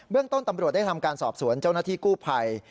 เรื่องต้นตำรวจได้ทำการสอบสวนเจ้าหน้าที่กู้ภัย